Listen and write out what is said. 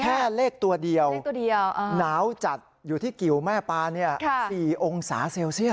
แค่เลขตัวเดียวหนาวจัดอยู่ที่กิวแม่ปลา๔องศาเซลเซียส